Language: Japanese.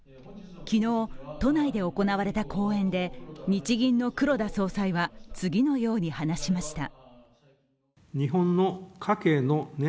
昨日、都内で行われた講演で日銀の黒田総裁は、次のように話しました。